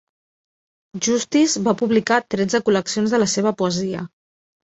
Justice va publicar tretze col·leccions de la seva poesia.